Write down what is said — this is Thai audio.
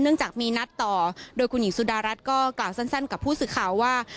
จากมีนัดต่อโดยคุณหญิงสุดารัฐก็กล่าวสั้นกับผู้สื่อข่าวว่า